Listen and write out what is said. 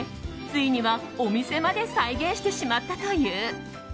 ついには、お店まで再現してしまったという。